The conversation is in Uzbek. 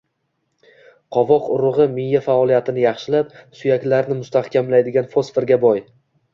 Qovoq urug‘i miya faoliyatini yaxshilab, suyaklarni mustahkamlaydigan fosforga boy